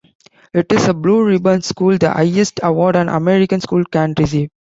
It is a Blue Ribbon School, the highest award an American school can receive.